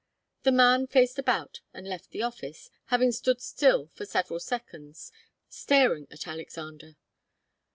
The man faced about and left the office, having stood still for several seconds, staring at Alexander.